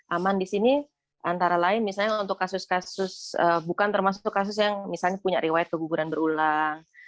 aman di sini antara lain misalnya untuk kasus kasus bukan termasuk kasus yang misalnya punya riwayat keguguran berulang